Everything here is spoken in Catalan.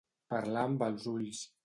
Parlar amb els ulls.